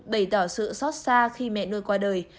bày tỏ sự xót xa khi mẹ nuôi qua đời